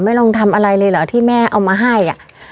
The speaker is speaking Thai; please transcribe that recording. ลองทำอะไรเลยเหรอที่แม่เอามาให้อ่ะ